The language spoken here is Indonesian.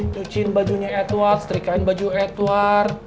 cuciin bajunya edward setrikain baju edward